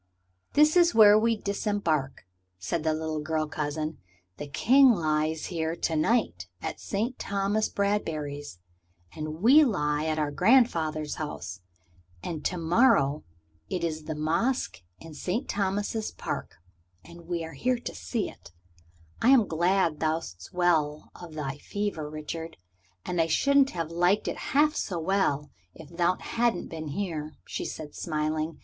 "This is where we disembark," said the little girl cousin. "The King lies here to night at Sir Thomas Bradbury's. And we lie at our grandfather's house. And to morrow it is the Masque in Sir Thomas's Park. And we are to see it. I am glad thou'st well of thy fever, Richard. I shouldn't have liked it half so well if thou hadn't been here," she said, smiling.